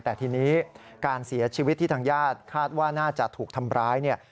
แต่ทีนี้การเสียชีวิตที่ทางญาติคาดว่าน่าจะถูกทำร้ายเนี่ย